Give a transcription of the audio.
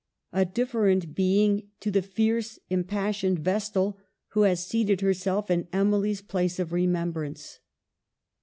A different being to the fierce im passioned Vestal who has seated herself in Em ily's place of remembrance.